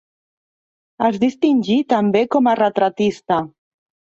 Es distingí també com a retratista.